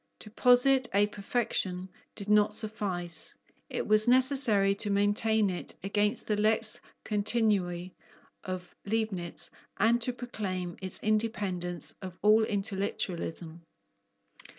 To posit a perfection did not suffice. It was necessary to maintain it against the lex continui of Leibnitz and to proclaim its independence of all intellectualism.